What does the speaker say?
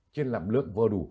chứ là lượng vừa đủ